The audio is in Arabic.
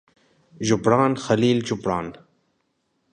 جبران خليل جبران